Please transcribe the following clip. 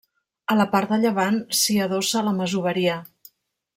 A la part de llevant s'hi adossa la masoveria.